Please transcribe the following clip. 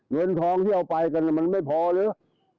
เงินทองที่เอาไปกันมันไม่พอหรือ